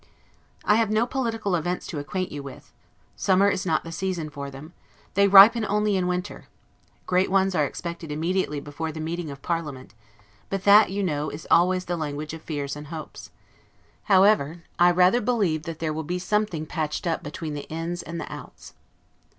I have no political events to acquaint you with; the summer is not the season for them, they ripen only in winter; great ones are expected immediately before the meeting of parliament, but that, you know, is always the language of fears and hopes. However, I rather believe that there will be something patched up between the INS and the OUTS.